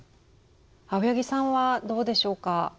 青柳さんはどうでしょうか？